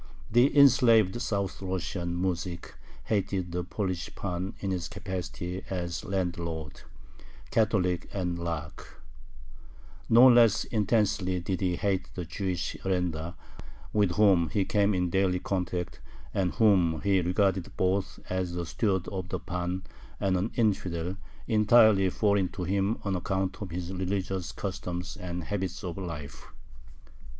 The enslaved South Russian muzhik hated the Polish pan in his capacity as landlord, Catholic, and Lakh. No less intensely did he hate the Jewish arendar, with whom he came in daily contact, and whom he regarded both as a steward of the pan and an "infidel," entirely foreign to him on account of his religious customs and habits of life.